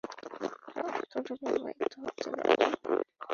রক্তটাকে প্রবাহিত হতে দাও।